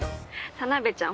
田辺ちゃん